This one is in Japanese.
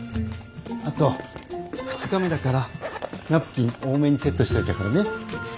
あと２日目だからナプキン多めにセットしといたからね。